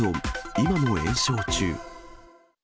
今も延焼中。